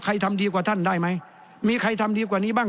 ทำดีกว่าท่านได้ไหมมีใครทำดีกว่านี้บ้าง